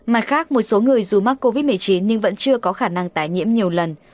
mặt khác một số người dù mắc covid một mươi chín nhưng vẫn chưa có khả năng tái nhiễm nhiều lần